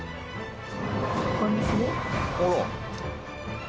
あら。